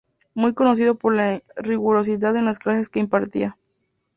Muy conocido por la rigurosidad en las clases que impartía.